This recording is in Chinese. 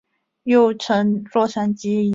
又称洛杉矶疑惑。